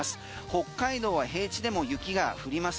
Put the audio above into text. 北海道は平地でも雪が降ります